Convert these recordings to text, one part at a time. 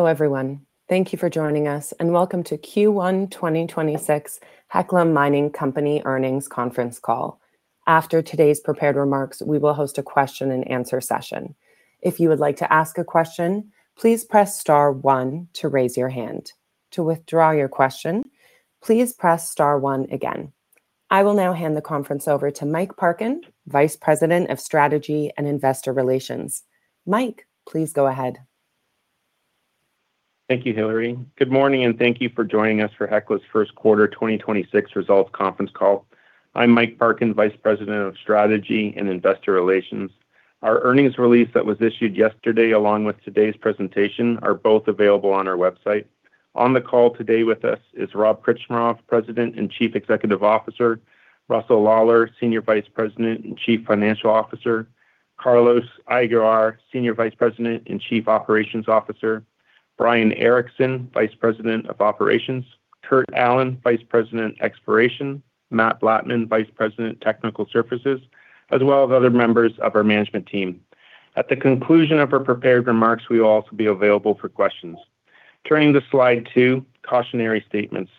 Hello, everyone. Thank you for joining us, and welcome to Q1 2026 Hecla Mining Company Earnings Conference Call. After today's prepared remarks, we will host a question and answer session. If you would like to ask a question, please press star one to raise your hand. To withdraw your question please press star one again. I will now hand the conference over to Mike Parkin, Vice President of Strategy and Investor Relations. Mike, please go ahead. Thank you, Hillary. Good morning, and thank you for joining us for Hecla's first quarter 2026 results conference call. I'm Mike Parkin, Vice President of Strategy and Investor Relations. Our earnings release that was issued yesterday, along with today's presentation, are both available on our website. On the call today with us is Rob Krcmarov, President and Chief Executive Officer, Russell Lawlar, Senior Vice President and Chief Financial Officer, Carlos Aguiar, Senior Vice President and Chief Operating Officer, Brian Erickson, Vice President – Operations, Kurt Allen, Vice President – Exploration, Matt Blattman, Vice President, Technical Services, as well as other members of our management team. At the conclusion of our prepared remarks, we will also be available for questions. Turning to slide two, cautionary statements.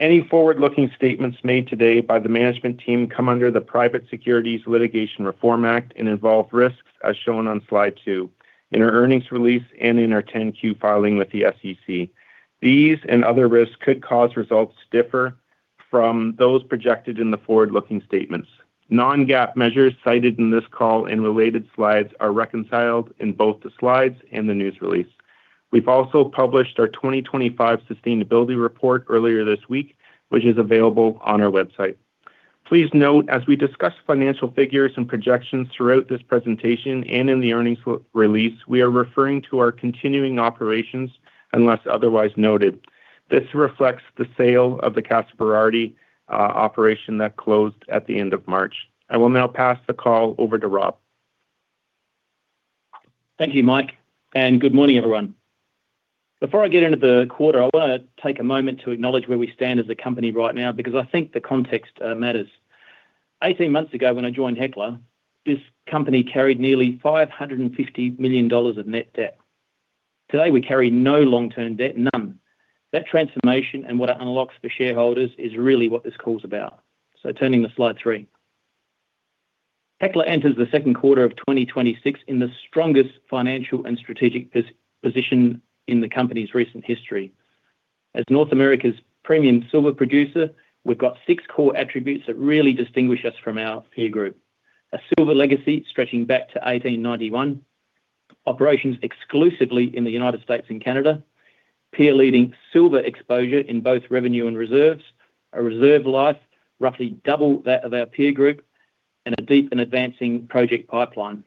Any forward-looking statements made today by the management team come under the Private Securities Litigation Reform Act and involve risks as shown on slide two, in our earnings release and in our 10-Q filing with the SEC. These and other risks could cause results to differ from those projected in the forward-looking statements. Non-GAAP measures cited in this call and related slides are reconciled in both the slides and the news release. We've also published our 2025 sustainability report earlier this week, which is available on our website. Please note, as we discuss financial figures and projections throughout this presentation and in the earnings release, we are referring to our continuing operations unless otherwise noted. This reflects the sale of the Casa Berardi operation that closed at the end of March. I will now pass the call over to Rob. Thank you, Mike, and good morning, everyone. Before I get into the quarter, I want to take a moment to acknowledge where we stand as a company right now because I think the context matters. 18 months ago, when I joined Hecla, this company carried nearly $550 million of net debt. Today, we carry no long-term debt. None. That transformation and what it unlocks for shareholders is really what this call is about. Turning to slide three. Hecla enters the second quarter of 2026 in the strongest financial and strategic position in the company's recent history. As North America's premium silver producer, we've got six core attributes that really distinguish us from our peer group: a silver legacy stretching back to 1891, operations exclusively in the United States and Canada, peer leading silver exposure in both revenue and reserves, a reserve life roughly double that of our peer group, and a deep and advancing project pipeline.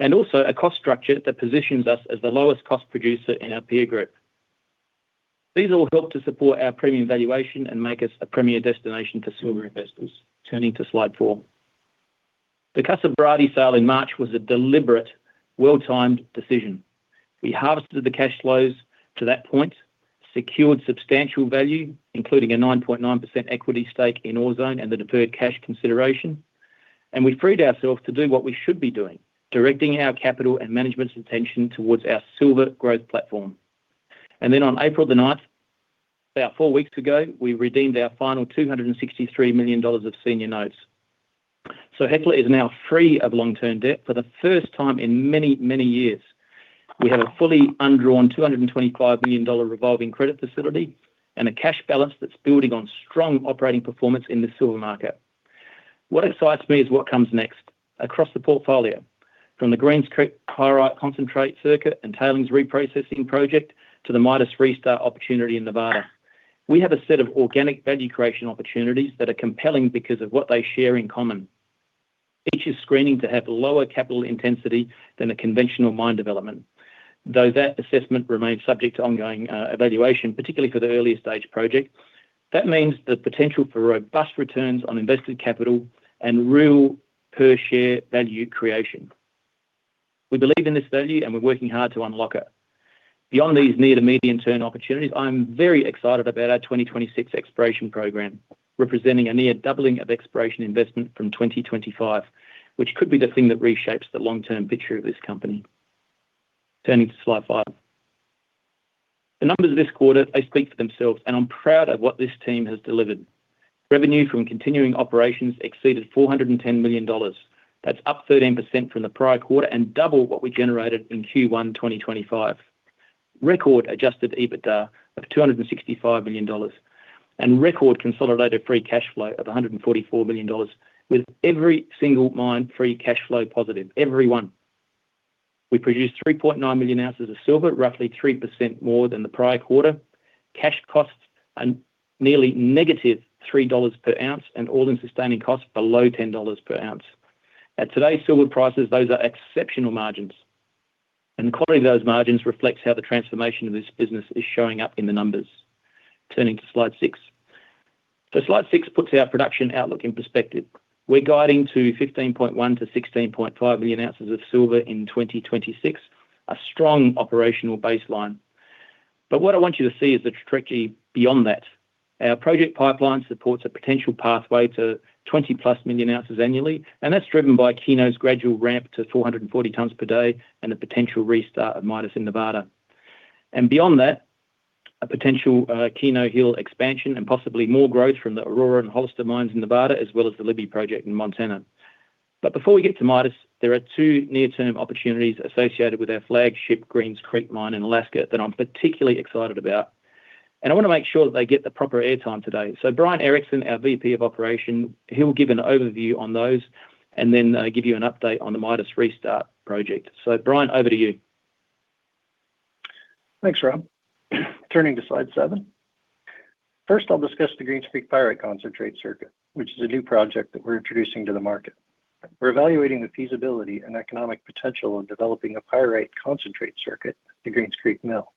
Also a cost structure that positions us as the lowest cost producer in our peer group. These all help to support our premium valuation and make us a premier destination for silver investors. Turning to slide four. The Casa Berardi sale in March was a deliberate, well-timed decision. We harvested the cash flows to that point, secured substantial value, including a 9.9% equity stake in Ozones and the deferred cash consideration, we freed ourselves to do what we should be doing, directing our capital and management's attention towards our silver growth platform. On April 9, about four weeks ago, we redeemed our final $263 million of senior notes. Hecla is now free of long-term debt for the first time in many, many years. We have a fully undrawn $225 million revolving credit facility and a cash balance that's building on strong operating performance in the silver market. What excites me is what comes next. Across the portfolio, from the Greens Creek pyrite concentrate circuit and tailings reprocessing project to the Midas restart opportunity in Nevada, we have a set of organic value creation opportunities that are compelling because of what they share in common. Each is screening to have lower capital intensity than a conventional mine development, though that assessment remains subject to ongoing evaluation, particularly for the earlier stage project. That means the potential for robust returns on invested capital and real per share value creation. We believe in this value, and we're working hard to unlock it. Beyond these near to medium-term opportunities, I'm very excited about our 2026 exploration program, representing a near doubling of exploration investment from 2025, which could be the thing that reshapes the long-term picture of this company. Turning to slide five. The numbers this quarter, they speak for themselves, and I'm proud of what this team has delivered. Revenue from continuing operations exceeded $410 million. That's up 13% from the prior quarter and double what we generated in Q1 2025. Record adjusted EBITDA of $265 million and record consolidated free cash flow of $144 million with every single mine free cash flow positive. Every one. We produced 3.9 million ounces of silver, roughly 3% more than the prior quarter. Cash costs are nearly -$3 per ounce and all-in sustaining costs below $10 per ounce. At today's silver prices, those are exceptional margins. The quality of those margins reflects how the transformation of this business is showing up in the numbers. Turning to slide six. Slide six puts our production outlook in perspective. We're guiding to 15.1 million ounces-16.5 million ounces of silver in 2026, a strong operational baseline. What I want you to see is the trajectory beyond that. Our project pipeline supports a potential pathway to 20+ million ounces annually, and that's driven by Keno's gradual ramp to 440 tons per day and the potential restart of Midas in Nevada. Beyond that, a potential Keno Hill expansion and possibly more growth from the Aurora and Hollister mines in Nevada, as well as the Libby project in Montana. Before we get to Midas, there are two near-term opportunities associated with our flagship Greens Creek mine in Alaska that I'm particularly excited about, and I want to make sure that they get the proper airtime today. Brian Erickson, our VP of Operations, he will give an overview on those and then give you an update on the Midas restart project. Brian, over to you. Thanks, Rob. Turning to slide seven. First, I'll discuss the Greens Creek pyrite concentrate circuit, which is a new project that we're introducing to the market. We're evaluating the feasibility and economic potential of developing a pyrite concentrate circuit at the Greens Creek mill.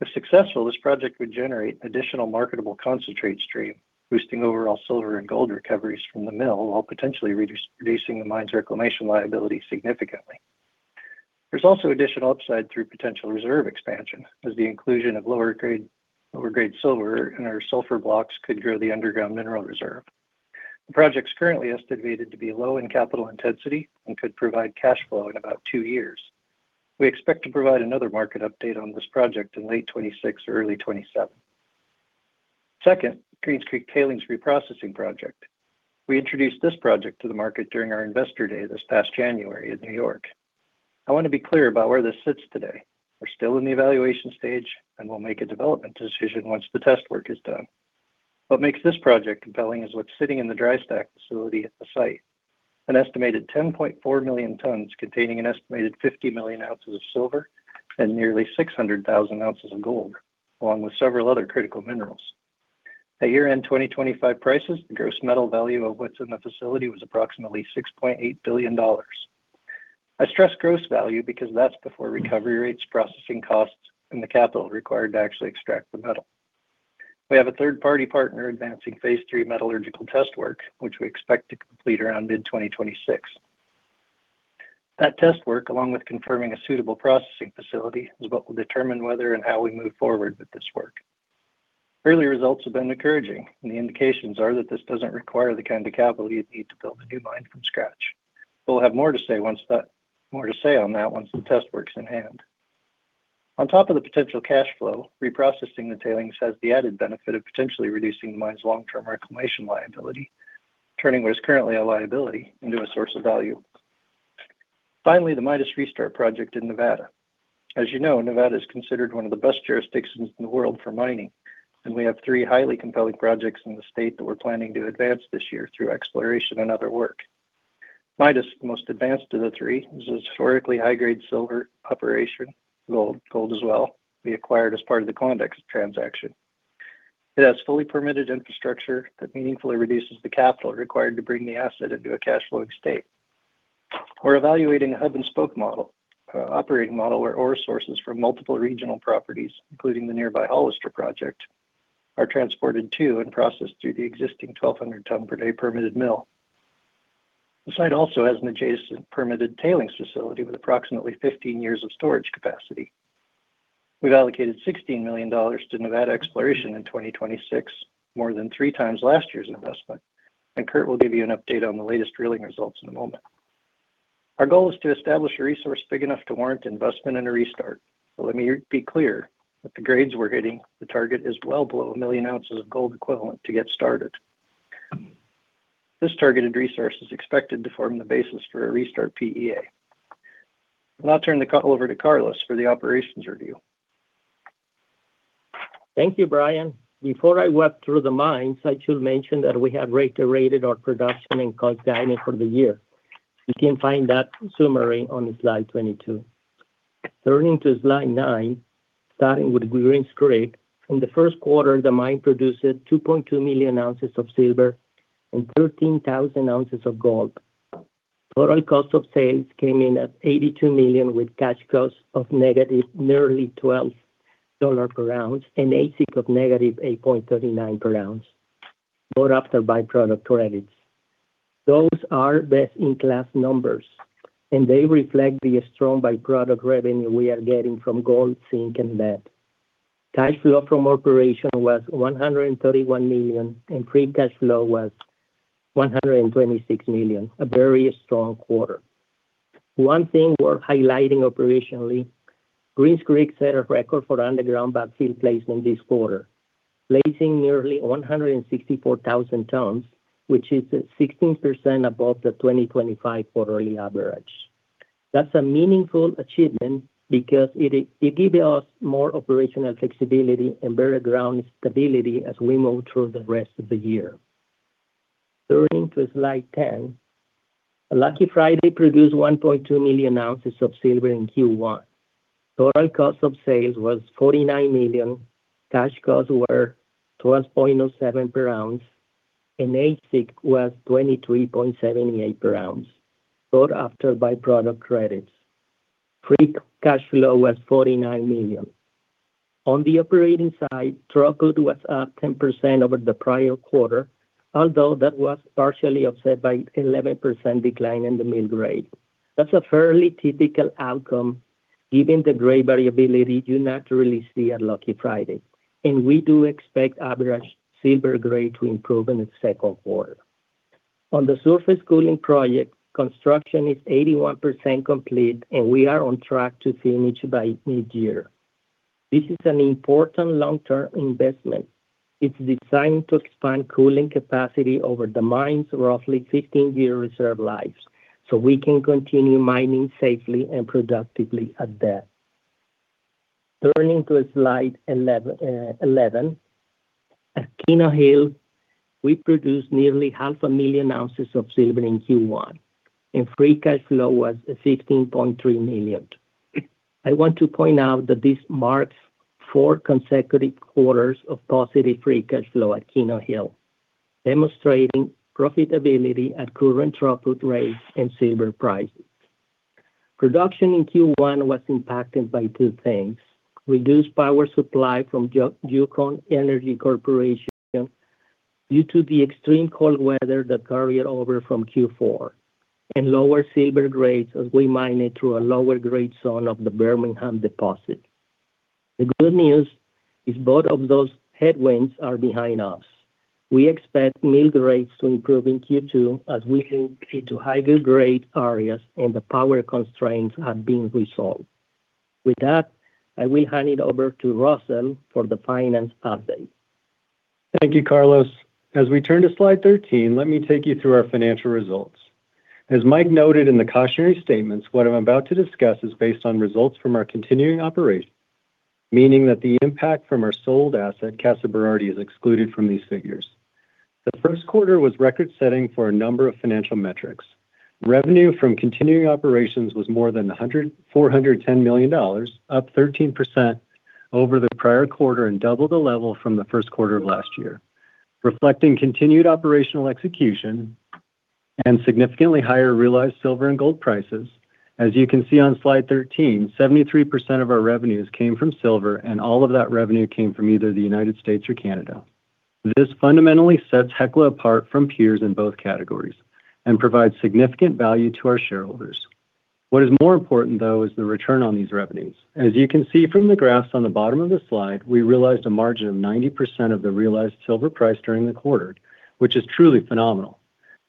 If successful, this project would generate additional marketable concentrate stream, boosting overall silver and gold recoveries from the mill, while potentially reducing the mine's reclamation liability significantly. There's also additional upside through potential reserve expansion, as the inclusion of lower grade silver in our sulfur blocks could grow the underground mineral reserve. The project's currently estimated to be low in capital intensity and could provide cash flow in about two years. We expect to provide another market update on this project in late 2026 or early 2027. Second, Greens Creek Tailings Reprocessing Project. We introduced this project to the market during our investor day this past January in New York. I want to be clear about where this sits today. We're still in the evaluation stage, and we'll make a development decision once the test work is done. What makes this project compelling is what's sitting in the dry stack facility at the site, an estimated 10.4 million tons containing an estimated 50 million ounces of silver and nearly 600,000 ounces of gold, along with several other critical minerals. At year-end 2025 prices, the gross metal value of what's in the facility was approximately $6.8 billion. I stress gross value because that's before recovery rates, processing costs, and the capital required to actually extract the metal. We have a third-party partner advancing Phase 3 metallurgical test work, which we expect to complete around mid-2026. That test work, along with confirming a suitable processing facility, is what will determine whether and how we move forward with this work. Early results have been encouraging, and the indications are that this doesn't require the kind of capital you'd need to build a new mine from scratch. We'll have more to say on that once the test work's in hand. On top of the potential cash flow, reprocessing the tailings has the added benefit of potentially reducing the mine's long-term reclamation liability, turning what is currently a liability into a source of value. Finally, the Midas Restart Project in Nevada. As you know, Nevada is considered one of the best jurisdictions in the world for mining, and we have three highly compelling projects in the state that we're planning to advance this year through exploration and other work. Midas, the most advanced of the three, is a historically high-grade silver operation. Gold as well, we acquired as part of the Klondex transaction. It has fully permitted infrastructure that meaningfully reduces the capital required to bring the asset into a cash flowing state. We're evaluating a hub-and-spoke model, operating model, where ore sources from multiple regional properties, including the nearby Hollister project, are transported to and processed through the existing 1,200 ton per day permitted mill. The site also has an adjacent permitted tailings facility with approximately 15 years of storage capacity. We've allocated $16 million to Nevada exploration in 2026, more than 3 times last year's investment, and Kurt will give you an update on the latest drilling results in a moment. Our goal is to establish a resource big enough to warrant investment and a restart. Let me be clear that the grades we're hitting, the target is well below 1 million ounces of gold equivalent to get started. This targeted resource is expected to form the basis for a restart PEA. I'll turn the call over to Carlos for the operations review. Thank you, Brian. Before I walk through the mines, I should mention that we have reiterated our production and cost guidance for the year. You can find that summary on slide 22. Turning to slide nine, starting with Greens Creek. In the first quarter, the mine produced 2.2 million ounces of silver and 13,000 ounces of gold. Total cost of sales came in at $82 million, with cash costs of negative nearly $12 per ounce and AISC of -$8.39 per ounce, both after by-product credits. Those are best-in-class numbers, and they reflect the strong by-product revenue we are getting from gold, zinc, and lead. Cash flow from operation was $131 million, and free cash flow was $126 million. A very strong quarter. One thing worth highlighting operationally, Greens Creek set a record for underground backfill placement this quarter, placing nearly 164,000 tons, which is 16% above the 2025 quarterly average. That's a meaningful achievement because it give us more operational flexibility and better ground stability as we move through the rest of the year. Turning to slide 10. Lucky Friday produced 1.2 million ounces of silver in Q1. Total cost of sales was $49 million. Cash costs were $12.07 per ounce, AISC was $23.78 per ounce, both after by-product credits. Free cash flow was $49 million. On the operating side, throughput was up 10% over the prior quarter, although that was partially offset by 11% decline in the mill rate. That's a fairly typical outcome given the grade variability you naturally see at Lucky Friday, and we do expect average silver grade to improve in the second quarter. On the surface cooling project, construction is 81% complete, and we are on track to finish by mid-year. This is an important long-term investment. It's designed to expand cooling capacity over the mine's roughly 15-year reserve lives, so we can continue mining safely and productively at that. Turning to slide 11. At Keno Hill, we produced nearly 500,000 ounces of silver in Q1, and free cash flow was $15.3 million. I want to point out that this marks four consecutive quarters of positive free cash flow at Keno Hill, demonstrating profitability at current throughput rates and silver prices. Production in Q1 was impacted by two things: reduced power supply from Yukon Energy Corporation due to the extreme cold weather that carried over from Q4, and lower silver grades as we mined it through a lower grade zone of the Birmingham deposit. The good news is both of those headwinds are behind us. We expect mill grades to improve in Q2 as we move into higher grade areas and the power constraints are being resolved. With that, I will hand it over to Russell for the finance update. Thank you, Carlos. As we turn to slide 13, let me take you through our financial results. As Mike noted in the cautionary statements, what I'm about to discuss is based on results from our continuing operations, meaning that the impact from our sold asset, Casa Berardi, is excluded from these figures. The first quarter was record-setting for a number of financial metrics. Revenue from continuing operations was more than $410 million, up 13% over the prior quarter and double the level from the first quarter of last year, reflecting continued operational execution and significantly higher realized silver and gold prices. As you can see on slide 13, 73% of our revenues came from silver. All of that revenue came from either the U.S. or Canada. This fundamentally sets Hecla apart from peers in both categories and provides significant value to our shareholders. What is more important, though, is the return on these revenues. As you can see from the graphs on the bottom of the slide, we realized a margin of 90% of the realized silver price during the quarter, which is truly phenomenal.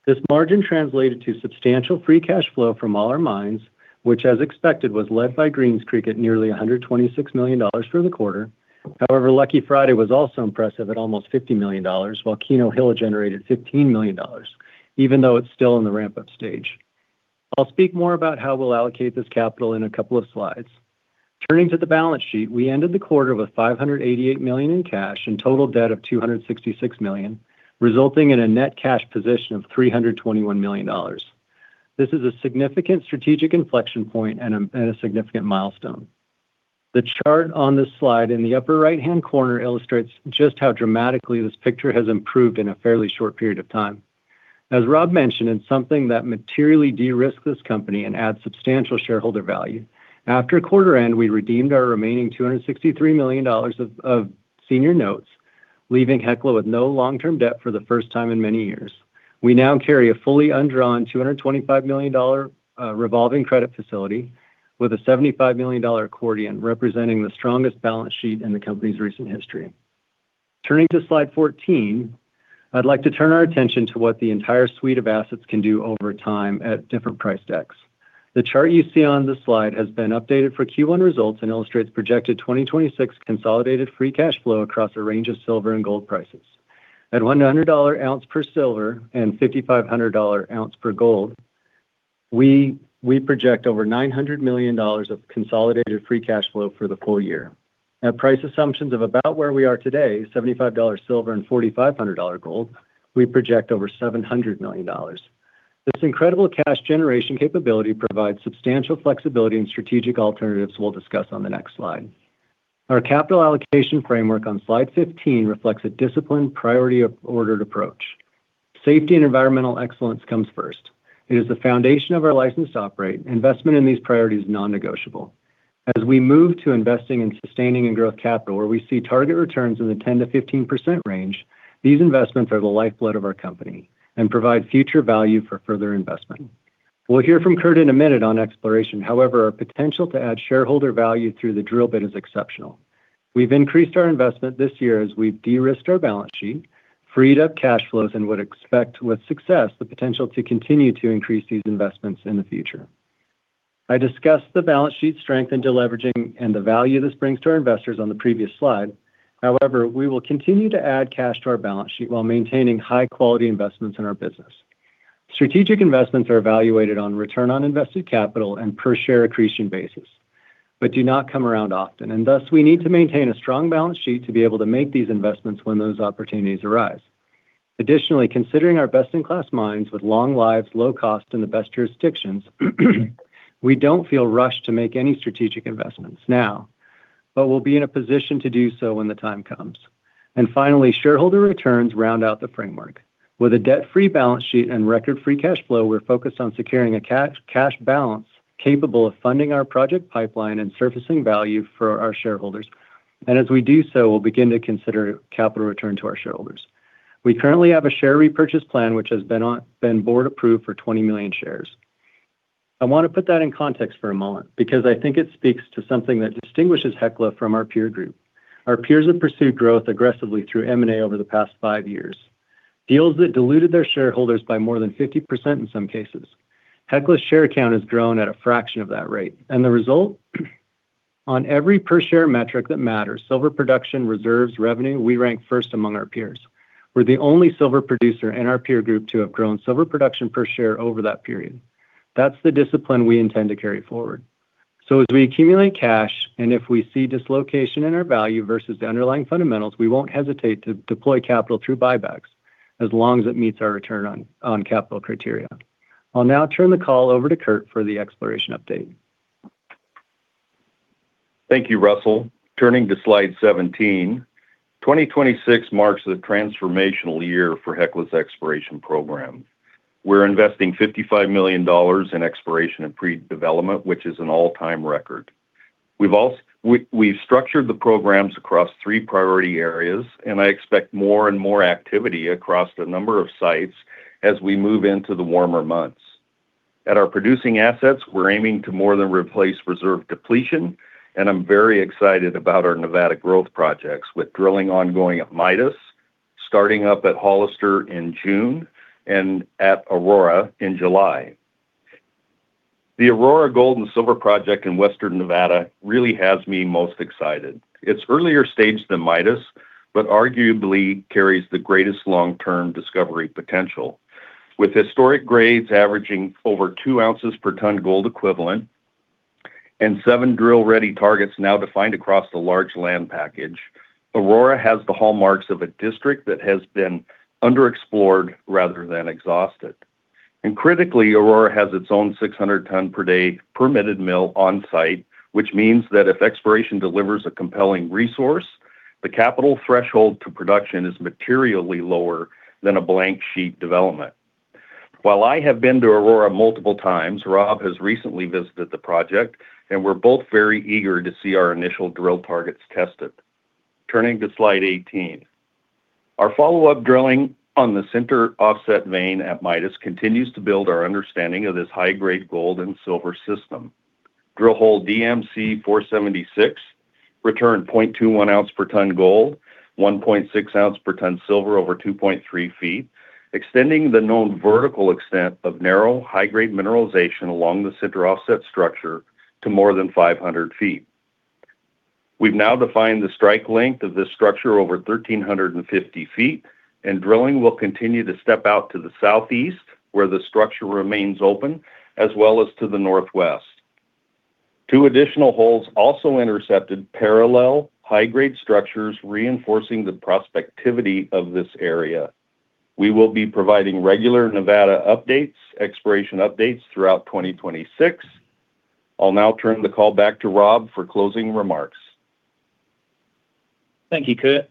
This margin translated to substantial free cash flow from all our mines, which, as expected, was led by Green's Creek at nearly $126 million for the quarter. However, Lucky Friday was also impressive at almost $50 million, while Keno Hill generated $15 million, even though it's still in the ramp-up stage. I'll speak more about how we'll allocate this capital in a couple of slides. Turning to the balance sheet, we ended the quarter with $588 million in cash and total debt of $266 million, resulting in a net cash position of $321 million. This is a significant strategic inflection point and a significant milestone. The chart on this slide in the upper right-hand corner illustrates just how dramatically this picture has improved in a fairly short period of time. As Rob mentioned, it's something that materially de-risks this company and adds substantial shareholder value. After quarter end, we redeemed our remaining $263 million of senior notes, leaving Hecla with no long-term debt for the first time in many years. We now carry a fully undrawn $225 million revolving credit facility with a $75 million accordion representing the strongest balance sheet in the company's recent history. Turning to slide 14, I'd like to turn our attention to what the entire suite of assets can do over time at different price decks. The chart you see on this slide has been updated for Q1 results and illustrates projected 2026 consolidated free cash flow across a range of silver and gold prices. At $100 ounce per silver and $5,500 ounce per gold, we project over $900 million of consolidated free cash flow for the full year. At price assumptions of about where we are today, $75 silver and $4,500 gold, we project over $700 million. This incredible cash generation capability provides substantial flexibility and strategic alternatives we'll discuss on the next slide. Our capital allocation framework on slide 15 reflects a disciplined priority of ordered approach. Safety and environmental excellence comes first. It is the foundation of our license to operate. Investment in these priority is non-negotiable. As we move to investing in sustaining and growth capital where we see target returns in the 10%-15% range, these investments are the lifeblood of our company and provide future value for further investment. We'll hear from Kurt in a minute on exploration. However, our potential to add shareholder value through the drill bit is exceptional. We've increased our investment this year as we've de-risked our balance sheet, freed up cash flows, and would expect with success the potential to continue to increase these investments in the future. I discussed the balance sheet strength and deleveraging and the value this brings to our investors on the previous slide. However, we will continue to add cash to our balance sheet while maintaining high-quality investments in our business. Strategic investments are evaluated on return on invested capital and per share accretion basis, but do not come around often, and thus, we need to maintain a strong balance sheet to be able to make these investments when those opportunities arise. Additionally, considering our best-in-class mines with long lives, low cost, and the best jurisdictions, we don't feel rushed to make any strategic investments now, but we'll be in a position to do so when the time comes. Finally, shareholder returns round out the framework. With a debt-free balance sheet and record free cash flow, we're focused on securing a cash balance capable of funding our project pipeline and surfacing value for our shareholders. As we do so, we'll begin to consider capital return to our shareholders. We currently have a share repurchase plan which has been board approved for 20 million shares. I want to put that in context for a moment because I think it speaks to something that distinguishes Hecla from our peer group. Our peers have pursued growth aggressively through M&A over the past five years, deals that diluted their shareholders by more than 50% in some cases. Hecla's share count has grown at a fraction of that rate. The result, on every per-share metric that matters, silver production, reserves, revenue, we rank first among our peers. We're the only silver producer in our peer group to have grown silver production per share over that period. That's the discipline we intend to carry forward. As we accumulate cash, and if we see dislocation in our value versus the underlying fundamentals, we won't hesitate to deploy capital through buybacks as long as it meets our return on capital criteria. I'll now turn the call over to Kurt for the exploration update. Thank you, Russell. Turning to slide 17. 2026 marks the transformational year for Hecla's exploration program. We're investing $55 million in exploration and pre-development, which is an all-time record. We've structured the programs across three priority areas, and I expect more and more activity across a number of sites as we move into the warmer months. At our producing assets, we're aiming to more than replace reserve depletion, and I'm very excited about our Nevada growth projects, with drilling ongoing at Midas, starting up at Hollister in June, and at Aurora in July. The Aurora Gold and Silver Project in Western Nevada really has me most excited. It's earlier stage than Midas, but arguably carries the greatest long-term discovery potential. With historic grades averaging over 2 ounces/ton gold equivalent and seven drill-ready targets now defined across the large land package, Aurora has the hallmarks of a district that has been underexplored rather than exhausted. Critically, Aurora has its own 600 ton per day permitted mill on site, which means that if exploration delivers a compelling resource, the capital threshold to production is materially lower than a blank sheet development. While I have been to Aurora multiple times, Rob has recently visited the project, and we're both very eager to see our initial drill targets tested. Turning to slide 18. Our follow-up drilling on the center offset vein at Midas continues to build our understanding of this high-grade gold and silver system. Drill hole DMC476 returned 0.21 ounce/ton gold, 1.6 ounce/ton silver over 2.3 ft, extending the known vertical extent of narrow, high-grade mineralization along the center offset structure to more than 500 ft. Drilling will continue to step out to the southeast, where the structure remains open, as well as to the northwest. We've now defined the strike length of this structure over 1,350 ft. Two additional holes also intercepted parallel high-grade structures, reinforcing the prospectivity of this area. We will be providing regular Nevada updates, exploration updates throughout 2026. I'll now turn the call back to Rob for closing remarks. Thank you, Kurt.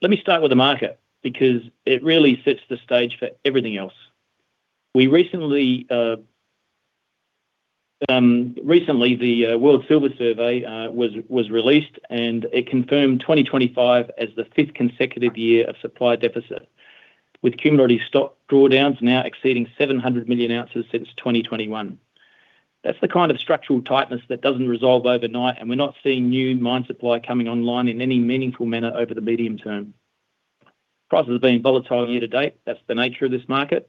Let me start with the market because it really sets the stage for everything else. Recently the World Silver Survey was released, and it confirmed 2025 as the fifth consecutive year of supply deficit, with cumulative stock drawdowns now exceeding 700 million ounces since 2021. That's the kind of structural tightness that doesn't resolve overnight, and we're not seeing new mine supply coming online in any meaningful manner over the medium term. Prices have been volatile year to date. That's the nature of this market.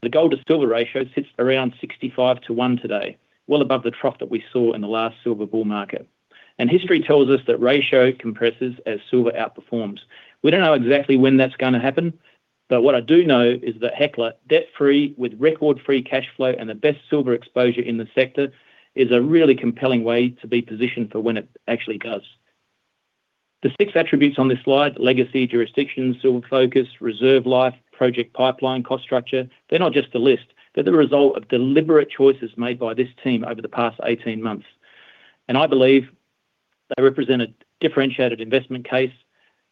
The gold to silver ratio sits around 65-1 today, well above the trough that we saw in the last silver bull market. History tells us that ratio compresses as silver outperforms. We don't know exactly when that's gonna happen, but what I do know is that Hecla, debt-free with record-free cash flow and the best silver exposure in the sector, is a really compelling way to be positioned for when it actually does. The six attributes on this slide, legacy, jurisdiction, silver focus, reserve life, project pipeline, cost structure, they're not just a list, they're the result of deliberate choices made by this team over the past 18 months. I believe they represent a differentiated investment case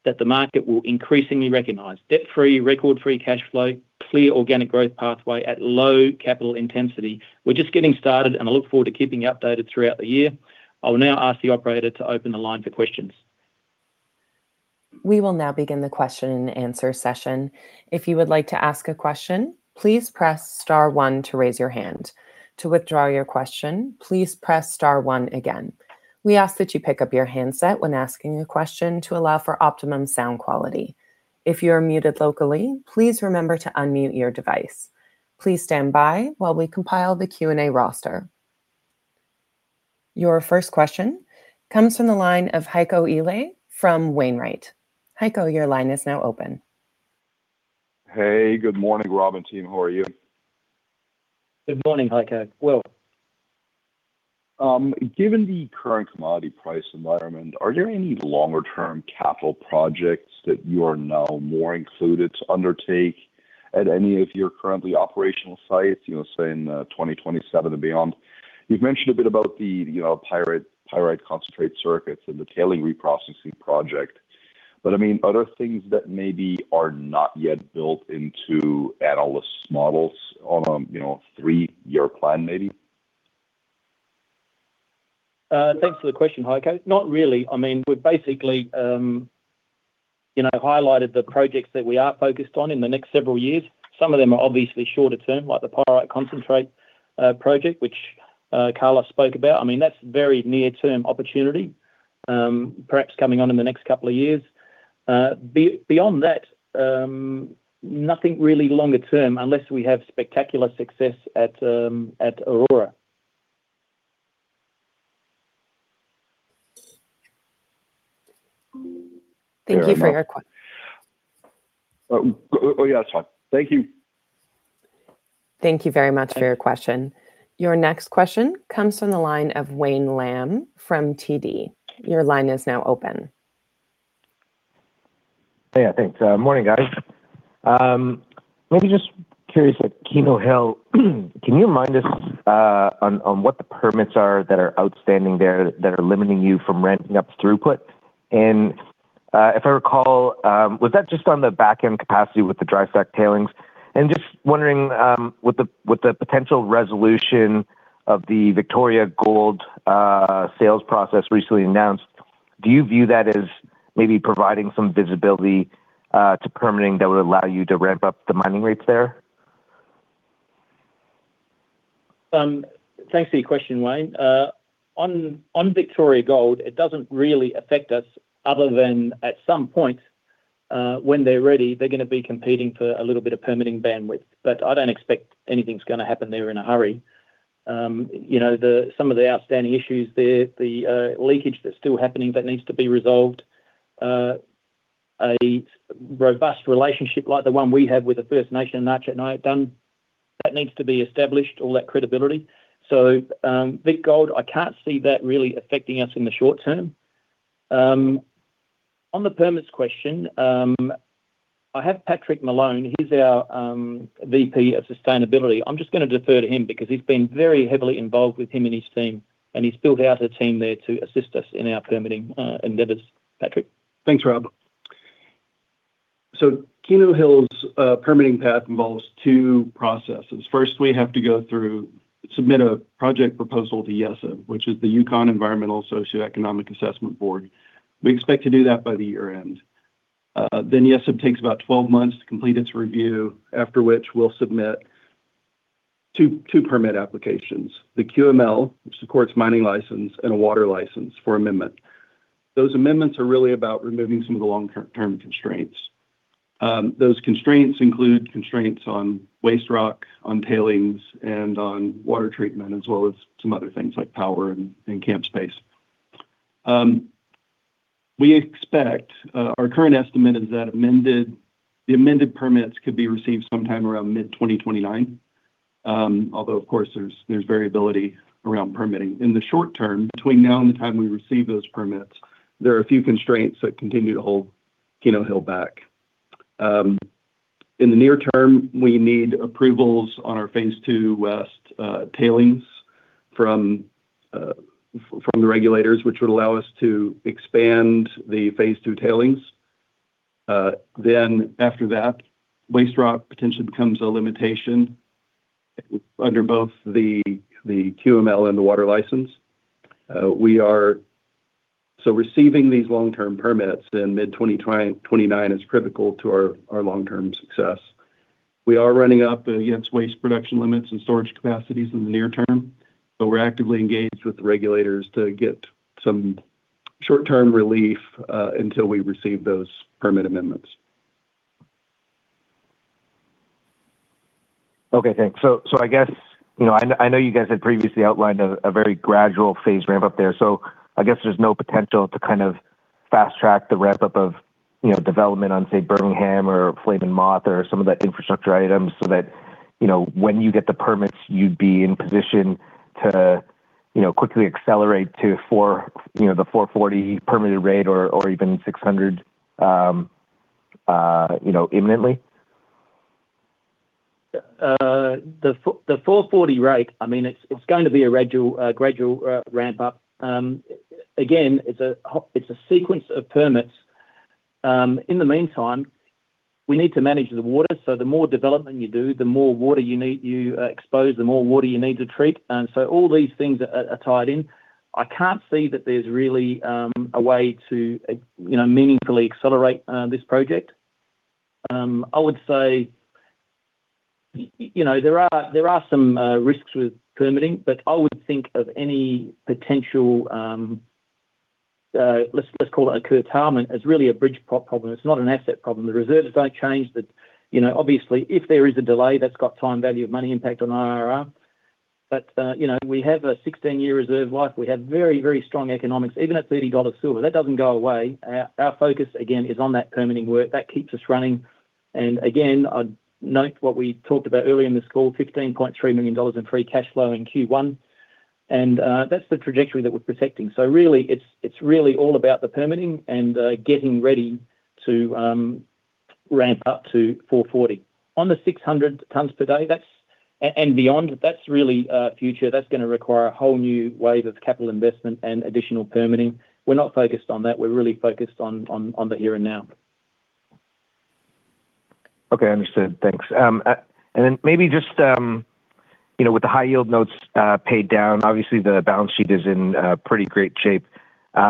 that the market will increasingly recognize. Debt-free, record-free cash flow, clear organic growth pathway at low capital intensity. We're just getting started, I look forward to keeping you updated throughout the year. I will now ask the operator to open the line for questions. We will now begin the question and answer session. If you would like to ask a question, please press star one to raise your hand. To withdraw your question, please press star one again. We ask that you pick up your handset when asking your question to allow for optimum sound quality. If you are muted locally, please remember to unmute your device. Please stand by while we compile the Q&A roster. Your first question comes from the line of Heiko Ihle from Wainwright. Heiko, your line is now open. Hey, good morning, Rob and team. How are you? Good morning, Heiko. Well. Given the current commodity price environment, are there any longer-term capital projects that you are now more included to undertake at any of your currently operational sites, you know, say in 2027 and beyond? You've mentioned a bit about the, you know, pyrite concentrate circuits and the tailing reprocessing project. I mean, other things that maybe are not yet built into analyst models on a, you know, three-year plan maybe? Thanks for the question, Heiko. Not really. I mean, we've basically, you know, highlighted the projects that we are focused on in the next several years. Some of them are obviously shorter term, like the pyrite concentrate project, which Carlos spoke about. I mean, that's very near-term opportunity, perhaps coming on in the next couple of years. Beyond that, nothing really longer term, unless we have spectacular success at Aurora. Thank you for your que-. Oh, yeah, that's fine. Thank you. Thank you very much for your question. Your next question comes from the line of Wayne Lam from TD. Your line is now open. Hey, thanks. Morning, guys. Maybe just curious at Keno Hill, can you remind us on what the permits are that are outstanding there that are limiting you from ramping up throughput? If I recall, was that just on the back-end capacity with the dry stack tailings? Just wondering with the potential resolution of the Victoria Gold sales process recently announced, do you view that as maybe providing some visibility to permitting that would allow you to ramp up the mining rates there? Thanks for your question, Wayne. On Victoria Gold, it doesn't really affect us other than at some point, when they're ready, they're gonna be competing for a little bit of permitting bandwidth. I don't expect anything's gonna happen there in a hurry. You know, some of the outstanding issues there, the leakage that's still happening that needs to be resolved. A robust relationship like the one we have with the First Nation in that gen. I have done, that needs to be established, all that credibility. Vic Gold, I can't see that really affecting us in the short term. On the permits question, I have Patrick Malone, he's our VP of Sustainability. I'm just gonna defer to him because he's been very heavily involved with him and his team, and he's built out a team there to assist us in our permitting endeavors. Patrick. Thanks, Rob. Keno Hill's permitting path involves two processes. First, we have to go through, submit a project proposal to YESAB, which is the Yukon Environmental and Socio-economic Assessment Board. We expect to do that by the year-end. Then YESAB takes about 12 months to complete its review, after which we'll submit two permit applications, the QML, which supports mining license, and a water license for amendment. Those amendments are really about removing some of the long-term constraints. Those constraints include constraints on waste rock, on tailings, and on water treatment, as well as some other things like power and camp space. We expect our current estimate is that the amended permits could be received sometime around mid-2029, although, of course, there's variability around permitting. In the short term, between now and the time we receive those permits, there are a few constraints that continue to hold Keno Hill back. In the near term, we need approvals on our Phase 2 west tailings from the regulators, which would allow us to expand the Phase 2 tailings. After that, waste rock potentially becomes a limitation under both the QML and the water license. Receiving these long-term permits in mid-2029 is critical to our long-term success. We are running up against waste production limits and storage capacities in the near term, but we're actively engaged with the regulators to get some short-term relief until we receive those permit amendments. Okay, thanks. I guess, you know, I know you guys had previously outlined a very gradual phase ramp up there. I guess there's no potential to kind of fast-track the ramp-up of, you know, development on, say, Birmingham or Flame & Moth or some of the infrastructure items so that, you know, when you get the permits, you'd be in position to, you know, quickly accelerate to four, you know, the 440 permitted rate or even 600, you know, imminently? The 440 rate, I mean, it's going to be a gradual ramp-up. Again, it's a sequence of permits. In the meantime, we need to manage the water. The more development you do, the more water you need, you expose, the more water you need to treat. All these things are tied in. I can't see that there's really a way to, you know, meaningfully accelerate this project. I would say, you know, there are some risks with permitting, but I would think of any potential let's call it a curtailment as really a bridge problem. It's not an asset problem. The reserves don't change. You know, obviously, if there is a delay, that's got time value of money impact on IRR. You know, we have a 16-year reserve life. We have very, very strong economics, even at $30 silver. That doesn't go away. Our focus again is on that permitting work. That keeps us running. Again, I'd note what we talked about earlier in this call, $15.3 million in free cash flow in Q1. That's the trajectory that we're protecting. Really, it's really all about the permitting and getting ready to ramp up to 440. On the 600 tons per day, and beyond, that's really future. That's gonna require a whole new wave of capital investment and additional permitting. We're not focused on that. We're really focused on the here and now. Okay, understood. Thanks. Then maybe just, you know, with the high yield notes paid down, obviously the balance sheet is in pretty great shape. In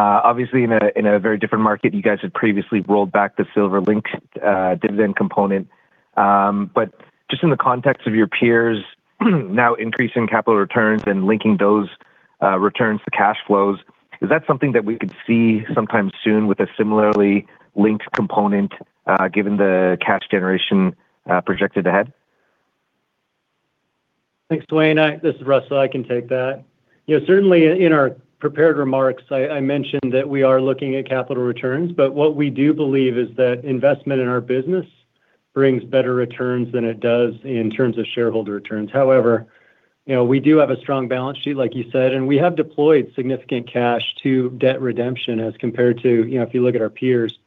a very different market, you guys had previously rolled back the silver link dividend component. Just in the context of your peers now increasing capital returns and linking those returns to cash flows, is that something that we could see sometime soon with a similarly linked component given the cash generation projected ahead? Thanks, Wayne. This is Russell. I can take that. You know, certainly in our prepared remarks I mentioned that we are looking at capital returns, but what we do believe is that investment in our business brings better returns than it does in terms of shareholder returns. However, you know, we do have a strong balance sheet, like you said, and we have deployed significant cash to debt redemption as compared to, you know, if you look at our peers, you know,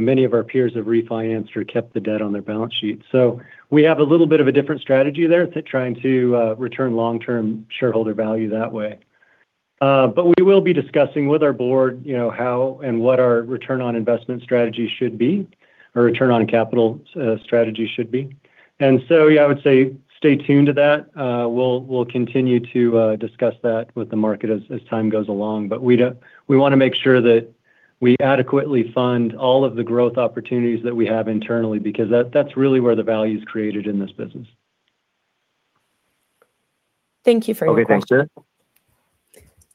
many of our peers have refinanced or kept the debt on their balance sheet. We have a little bit of a different strategy there trying to return long-term shareholder value that way. We will be discussing with our board, you know, how and what our return on investment strategy should be, or return on capital strategy should be. Yeah, I would say stay tuned to that. We'll, we'll continue to discuss that with the market as time goes along. We wanna make sure that we adequately fund all of the growth opportunities that we have internally, because that's really where the value is created in this business. Thank you for your question. Okay, thanks, Russell.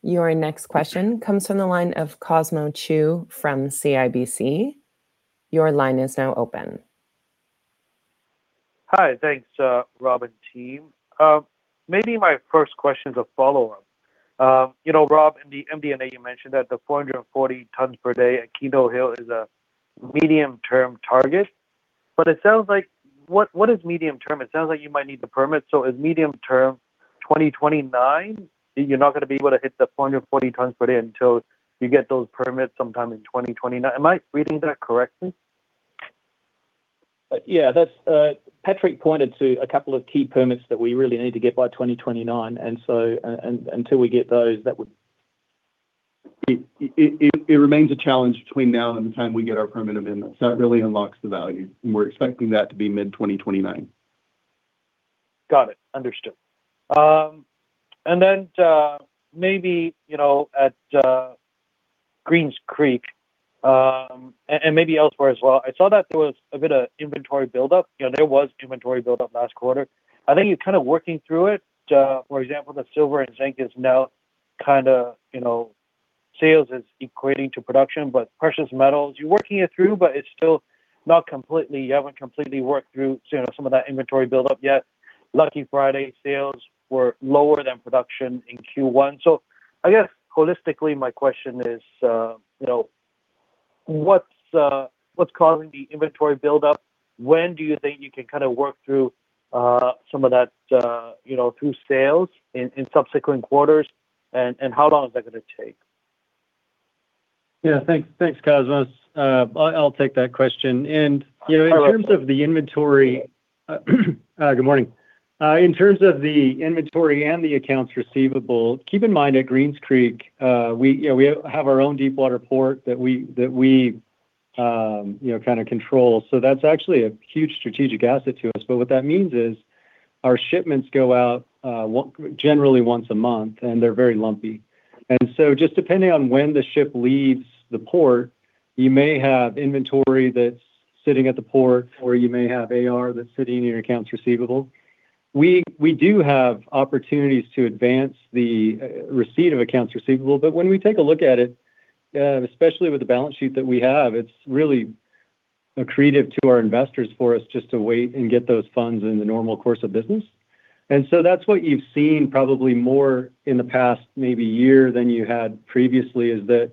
Your next question comes from the line of Cosmos Chiu from CIBC. Your line is now open. Hi. Thanks, Rob and team. Maybe my first question's a follow-up. You know, Rob, in the MD&A you mentioned that the 440 tons per day at Keno Hill is a medium term target, but it sounds like what is medium term? It sounds like you might need the permit. Is medium term 2029, you're not gonna be able to hit the 440 tons per day until you get those permits sometime in 2029? Am I reading that correctly? Patrick pointed to a couple of key permits that we really need to get by 2029. Until we get those, it remains a challenge between now and the time we get our permit amendments. That really unlocks the value, and we're expecting that to be mid-2029. Got it. Understood. Maybe, you know, at Greens Creek and maybe elsewhere as well, I saw that there was a bit of inventory buildup. You know, there was inventory buildup last quarter. I think you're kind of working through it. For example, the silver and zinc is now kinda, you know, sales is equating to production. Precious metals, you're working it through, but it's still not completely, you haven't completely worked through, you know, some of that inventory buildup yet. Lucky Friday sales were lower than production in Q1. I guess holistically my question is, you know, what's causing the inventory buildup? When do you think you can kinda work through some of that, you know, through sales in subsequent quarters? How long is that gonna take? Yeah. Thanks, thanks, Cosmos. I'll take that question. You know. No problem. Good morning. In terms of the inventory and the accounts receivable, keep in mind, at Greens Creek, we, you know, we have our own deep water port that we, that we, you know, kinda control. That's actually a huge strategic asset to us. What that means is our shipments go out generally once a month, and they're very lumpy. Just depending on when the ship leaves the port, you may have inventory that's sitting at the port, or you may have AR that's sitting in your accounts receivable. We do have opportunities to advance the receipt of accounts receivable. When we take a look at it, especially with the balance sheet that we have, it's really accretive to our investors for us just to wait and get those funds in the normal course of business. That's what you've seen probably more in the past maybe 1 year than you had previously, is that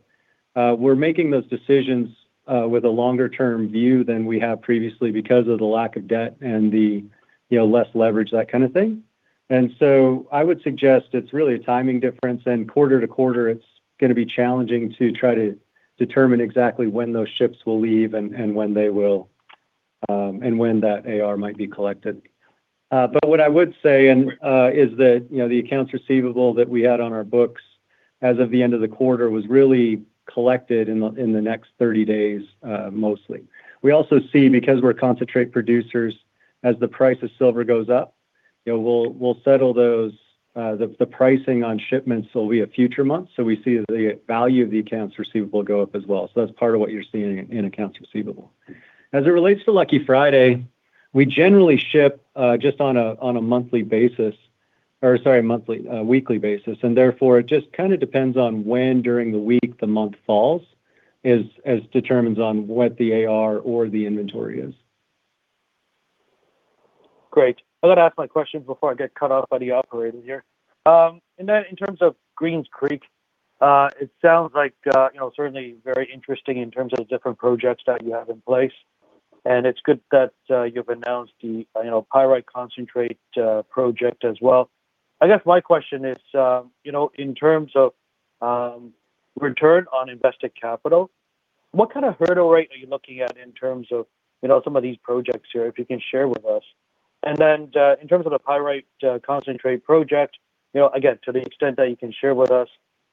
we're making those decisions with a longer term view than we have previously because of the lack of debt and the, you know, less leverage, that kind of thing. I would suggest it's really a timing difference, and quarter to quarter it's going to be challenging to try to determine exactly when those ships will leave and when they will, and when that AR might be collected. What I would say and is that, you know, the accounts receivable that we had on our books as of the end of the quarter was really collected in the next 30 days, mostly. We also see, because we're concentrate producers, as the price of silver goes up, you know, we'll settle those, the pricing on shipments will be at future months. We see the value of the accounts receivable go up as well. That's part of what you're seeing in accounts receivable. As it relates to Lucky Friday, we generally ship just on a monthly basis, or sorry, monthly, weekly basis. Therefore, it just kinda depends on when during the week the month falls, is, as determines on what the AR or the inventory is. Great. I'm gonna ask my question before I get cut off by the operator here. Then in terms of Greens Creek, it sounds like, you know, certainly very interesting in terms of the different projects that you have in place, and it's good that you've announced the, you know, pyrite concentrate project as well. I guess my question is, you know, in terms of, return on invested capital, what kind of hurdle rate are you looking at in terms of, you know, some of these projects here, if you can share with us? Then in terms of the pyrite concentrate project, you know, again, to the extent that you can share with us,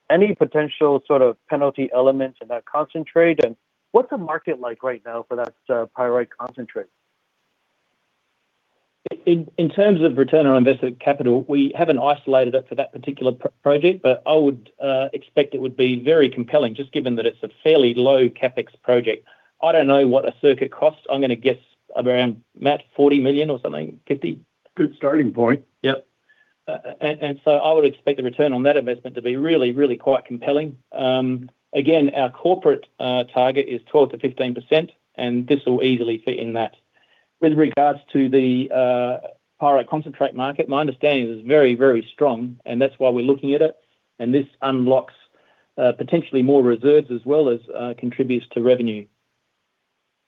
any potential sort of penalty elements in that concentrate? What's the market like right now for that pyrite concentrate? In terms of return on invested capital, we haven't isolated it for that particular project, but I would expect it would be very compelling, just given that it's a fairly low CapEx project. I don't know what a circuit costs. I'm gonna guess around, Matt, $40 million or something, could be. Good starting point. Yep. I would expect the return on that investment to be really, really quite compelling. Again, our corporate target is 12%-15%, and this will easily fit in that. With regards to the pyrite concentrate market, my understanding is it's very, very strong, and that's why we're looking at it. This unlocks potentially more reserves as well as contributes to revenue.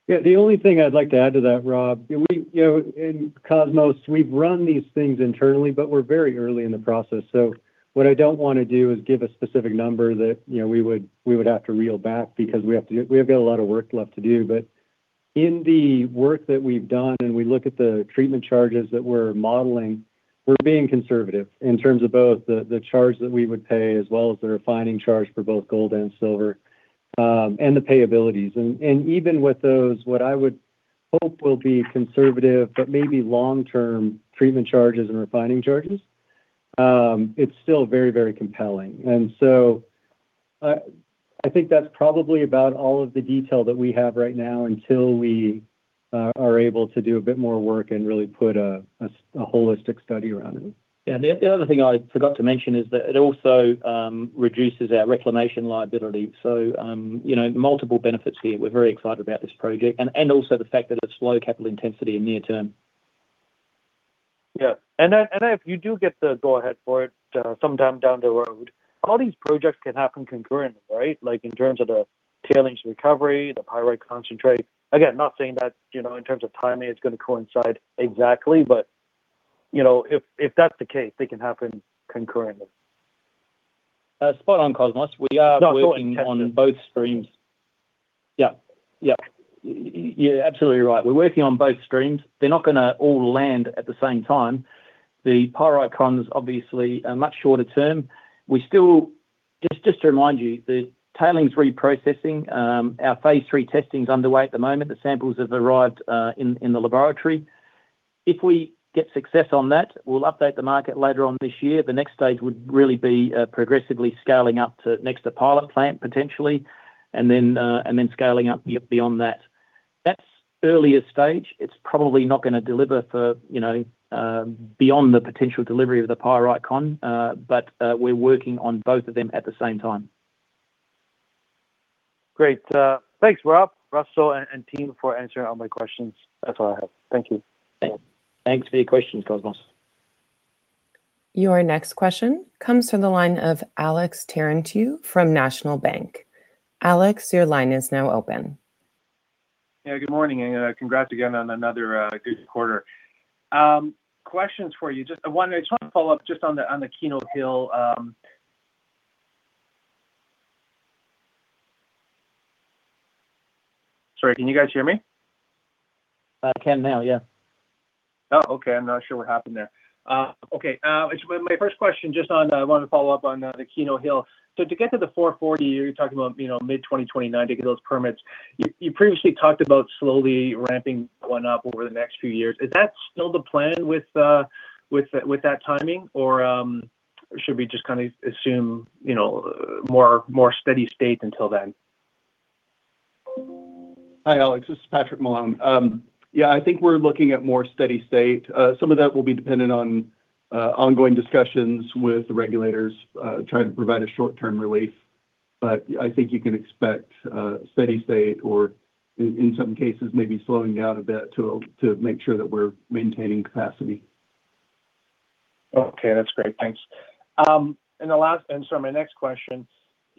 Yeah, the only thing I'd like to add to that, Rob, we, you know, in Cosmos, we've run these things internally, but we're very early in the process. What I don't wanna do is give a specific number that, you know, we would have to reel back because we have got a lot of work left to do. In the work that we've done, and we look at the treatment charges that we're modeling, we're being conservative in terms of both the charge that we would pay as well as the refining charge for both gold and silver, and the payabilities. Even with those, what I would hope will be conservative but maybe long-term treatment charges and refining charges, it's still very, very compelling. I think that is probably about all of the detail that we have right now until we are able to do a bit more work and really put a holistic study around it. Yeah. The other thing I forgot to mention is that it also reduces our reclamation liability. You know, multiple benefits here. We're very excited about this project, and also the fact that it's low capital intensity and near-term. Yeah. If you do get the go-ahead for it, sometime down the road, all these projects can happen concurrently, right? Like, in terms of the tailings recovery, the pyrite concentrate. Again, not saying that, you know, in terms of timing, it's gonna coincide exactly, but, you know, if that's the case, they can happen concurrently. Spot on, Cosmos. We are working. No, I thought it. on both streams. Yeah. Yeah. You're absolutely right. We're working on both streams. They're not gonna all land at the same time. The pyrite con is obviously a much shorter term. Just to remind you, the tailings reprocessing, our Phase 3 testing's underway at the moment. The samples have arrived in the laboratory. If we get success on that, we'll update the market later on this year. The next stage would really be progressively scaling up to pilot plant, potentially, and then scaling up beyond that. That's earlier stage. It's probably not gonna deliver for, you know, beyond the potential delivery of the pyrite con. We're working on both of them at the same time. Great. Thanks, Rob, Russell, and team, for answering all my questions. That's all I have. Thank you. Thanks for your questions, Cosmos. Your next question comes from the line of Alex Terentiew from National Bank. Alex, your line is now open. Yeah, good morning, congrats again on another good quarter. Questions for you. Just I wanted to follow up on the Keno Hill. Sorry, can you guys hear me? I can now, yeah. Oh, okay. I'm not sure what happened there. Okay. My first question just on, I wanted to follow up on the Keno Hill. To get to the 440, you're talking about, you know, mid-2029 to get those permits. You previously talked about slowly ramping one up over the next few years. Is that still the plan with that timing? Should we just kinda assume, you know, more steady state until then? Hi, Alex. This is Patrick Malone. Yeah, I think we're looking at more steady state. Some of that will be dependent on ongoing discussions with the regulators, trying to provide a short-term relief. I think you can expect steady state or in some cases, maybe slowing down a bit to make sure that we're maintaining capacity. Okay, that's great. Thanks. My next question,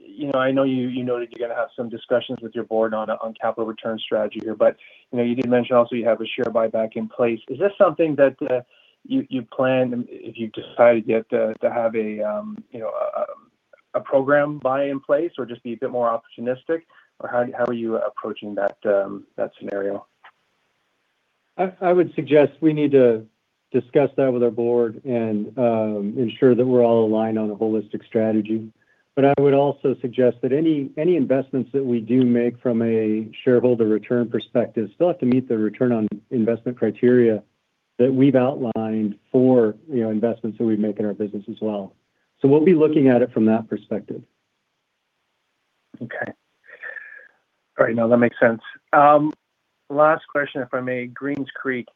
you know, I know you noted you're gonna have some discussions with your board on a capital return strategy here. You know, you did mention also you have a share buyback in place. Is this something that you plan if you decide yet to have a, you know, a program buy in place or just be a bit more opportunistic, or how are you approaching that scenario? I would suggest we need to discuss that with our board and ensure that we're all aligned on a holistic strategy. I would also suggest that any investments that we do make from a shareholder return perspective still have to meet the return on investment criteria that we've outlined for, you know, investments that we make in our business as well. We'll be looking at it from that perspective. Okay. All right, no, that makes sense. Last question, if I may. Greens Creek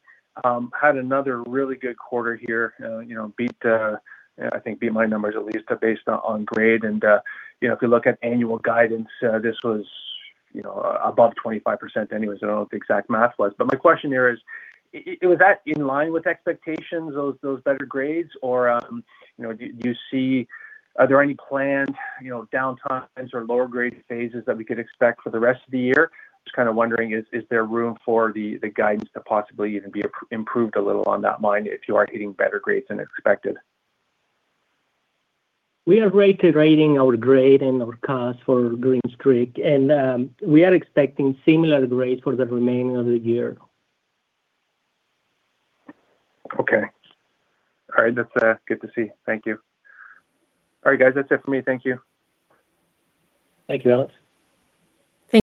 had another really good quarter here. You know, beat, I think beat my numbers at least, based on grade. If you look at annual guidance, this was, you know, above 25% anyways. I don't know what the exact math was. My question here is, was that in line with expectations, those better grades? Do you, do you see Are there any planned, you know, downtimes or lower grade phases that we could expect for the rest of the year? Just kinda wondering, is there room for the guidance to possibly even be improved a little on that mine if you are hitting better grades than expected? We are rating our grade and our cost for Greens Creek, and we are expecting similar grades for the remaining of the year. Okay. All right. That's good to see. Thank you. All right, guys, that's it for me. Thank you. Thank you, Alex. Thank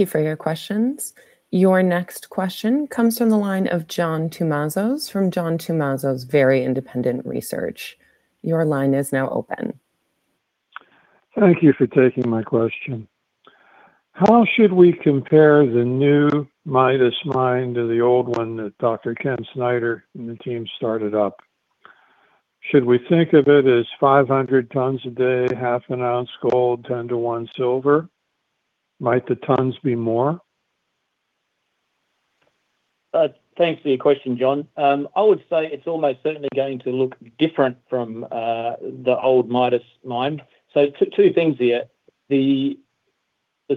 you for your questions. Your next question comes from the line of John Tumazos from John Tumazos Very Independent Research. Your line is now open. Thank you for taking my question. How should we compare the new Midas Mine to the old one that Dr. Ken Snyder and the team started up? Should we think of it as 500 tons a day, 0.5 ounce gold, 10-1 silver? Might the tons be more? Thanks for your question, John. I would say it's almost certainly going to look different from the old Midas Mine. Two things here. The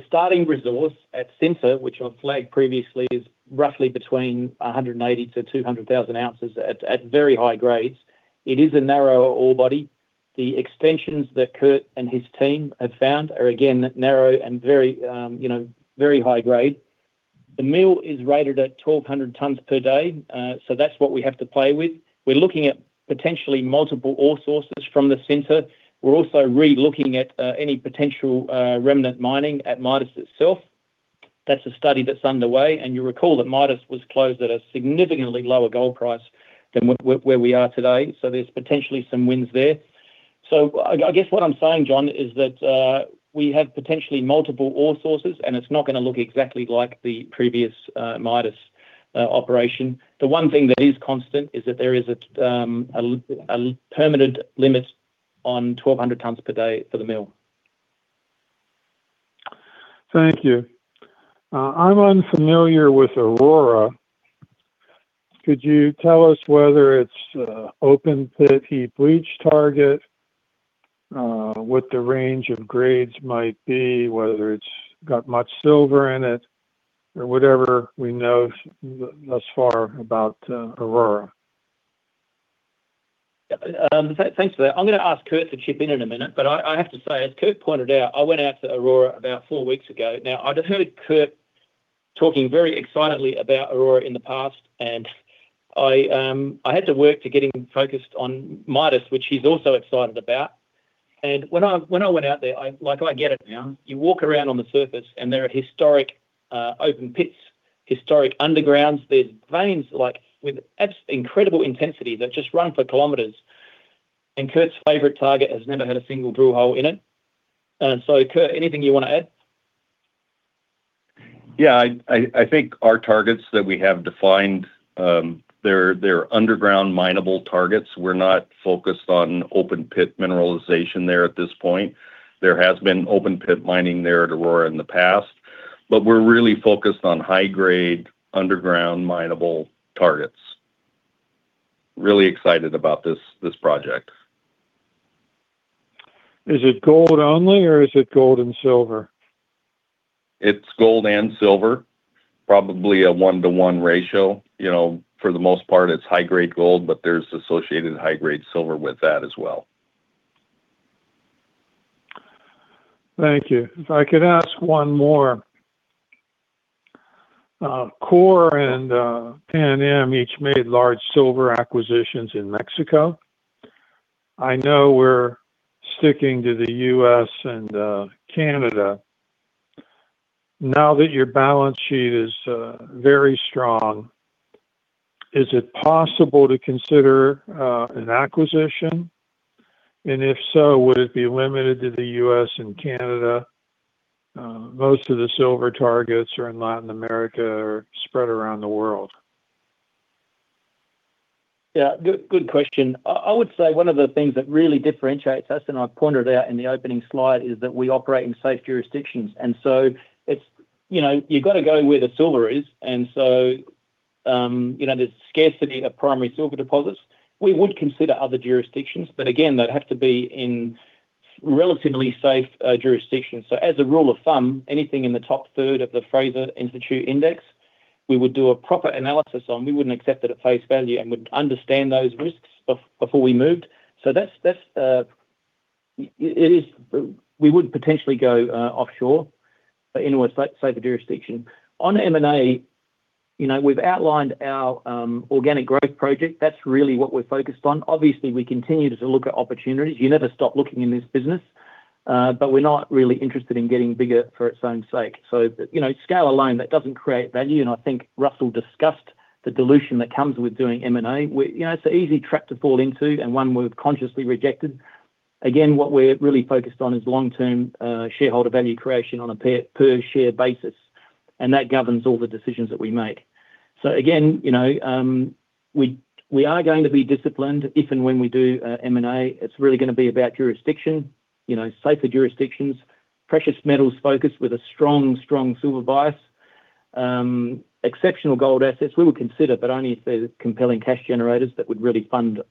starting resource at center, which I flagged previously, is roughly between 180 ounces-200,000 ounces at very high grades. It is a narrower ore body. The extensions that Kurt and his team have found are, again, narrow and very, you know, very high grade. The mill is rated at 1,200 tons per day. That's what we have to play with. We're looking at potentially multiple ore sources from the center. We're also re-looking at any potential remnant mining at Midas itself. That's a study that's underway. You recall that Midas was closed at a significantly lower gold price than where we are today. There's potentially some wins there. I guess what I'm saying, John, is that we have potentially multiple ore sources, and it's not gonna look exactly like the previous Midas operation. The one thing that is constant is that there is a permanent limit on 1,200 tons per day for the mill. Thank you. I'm unfamiliar with Aurora. Could you tell us whether it's a open pit heap leach target, what the range of grades might be, whether it's got much silver in it, or whatever we know thus far about Aurora? Yeah. Thanks for that. I'm gonna ask Kurt to chip in in a minute. I have to say, as Kurt pointed out, I went out to Aurora about four weeks ago. Now, I'd heard Kurt talking very excitedly about Aurora in the past, and I had to work to get him focused on Midas, which he's also excited about. When I, when I went out there, I Like, I get it now. You walk around on the surface, and there are historic open pits, historic undergrounds. There's veins, like, with incredible intensity that just run for kilometers. Kurt's favorite target has never had a single drill hole in it. Kurt, anything you wanna add? Yeah. I think our targets that we have defined, they're underground mineable targets. We're not focused on open pit mineralization there at this point. There has been open pit mining there at Aurora in the past, but we're really focused on high-grade underground mineable targets. Really excited about this project. Is it gold only, or is it gold and silver? It's gold and silver, probably a 1-to-1 ratio. You know, for the most part, it's high-grade gold, but there's associated high-grade silver with that as well. Thank you. If I could ask one more. Coeur and Pan Am each made large silver acquisitions in Mexico. I know we're sticking to the U.S. and Canada. Now that your balance sheet is very strong, is it possible to consider an acquisition? If so, would it be limited to the U.S. and Canada? Most of the silver targets are in Latin America or spread around the world. Yeah. Good, good question. I would say one of the things that really differentiates us, and I pointed out in the opening slide, is that we operate in safe jurisdictions. It's, you know, you've gotta go where the silver is. You know, there's scarcity of primary silver deposits. We would consider other jurisdictions, but again, they'd have to be in relatively safe jurisdictions. As a rule of thumb, anything in the top third of the Fraser Institute index, we would do a proper analysis on. We wouldn't accept it at face value and would understand those risks before we moved. That's. It is We would potentially go offshore, but in what's, like, safer jurisdiction. On M&A, you know, we've outlined our organic growth project. That's really what we're focused on. Obviously, we continue to look at opportunities. You never stop looking in this business. We're not really interested in getting bigger for its own sake. You know, scale alone, that doesn't create value, and I think Russell discussed the dilution that comes with doing M&A. You know, it's an easy trap to fall into and one we've consciously rejected. Again, what we're really focused on is long-term, shareholder value creation on a per share basis, and that governs all the decisions that we make. Again, you know, we are going to be disciplined if and when we do M&A. It's really gonna be about jurisdiction. You know, safer jurisdictions. Precious metals focus with a strong silver bias. Exceptional gold assets we would consider, only if they're compelling cash generators that would really fund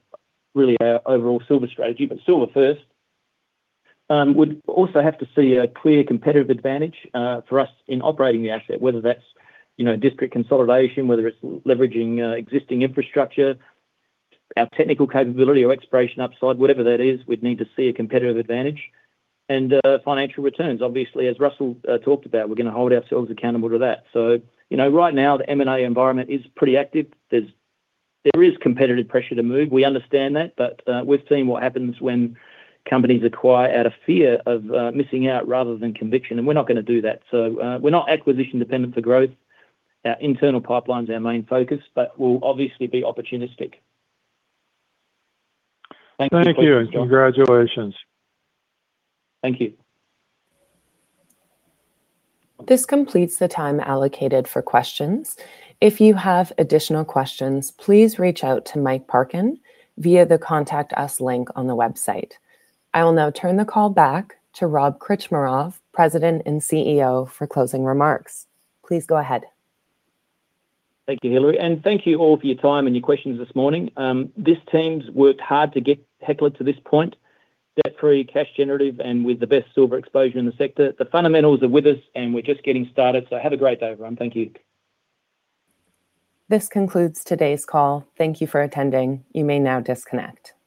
our overall silver strategy. Silver first. Would also have to see a clear competitive advantage for us in operating the asset, whether that's district consolidation, whether it's leveraging existing infrastructure, our technical capability or exploration upside. Whatever that is, we'd need to see a competitive advantage. Financial returns. Obviously, as Russell talked about, we're gonna hold ourselves accountable to that. Right now, the M&A environment is pretty active. There is competitive pressure to move. We understand that. We've seen what happens when companies acquire out of fear of missing out rather than conviction, and we're not gonna do that. We're not acquisition-dependent for growth. Our internal pipeline's our main focus, but we'll obviously be opportunistic. Thank you. Thank you, and congratulations. Thank you. This completes the time allocated for questions. If you have additional questions, please reach out to Mike Parkin via the Contact Us link on the website. I will now turn the call back to Rob Krcmarov, President and CEO for closing remarks. Please go ahead. Thank you, Hillary. Thank you all for your time and your questions this morning. This team's worked hard to get Hecla to this point, debt-free, cash generative, and with the best silver exposure in the sector. The fundamentals are with us, and we're just getting started. Have a great day, everyone. Thank you. This concludes today's call. Thank you for attending. You may now disconnect.